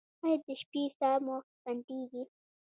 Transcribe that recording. ایا د شپې ساه مو بندیږي؟